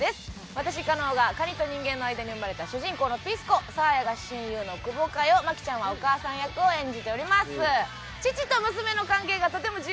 私加納が蟹と人間の間に生まれた主人公のピス子サーヤが親友のくぼかよ麻貴ちゃんはお母さん役を演じております。